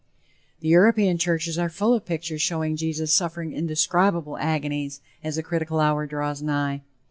The European churches are full of pictures showing Jesus suffering indescribable agonies as the critical hour draws nigh.